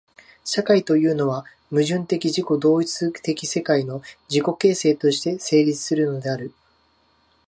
社会というのは、矛盾的自己同一的世界の自己形成として成立するのである。